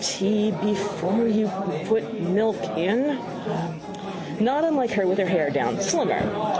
Tea before you put milk in. Not unlike her with her hair down: slimmer.